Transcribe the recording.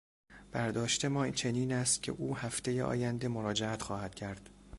برداشت ما چنین است که او هفتهی آینده مراجعت خواهد کرد.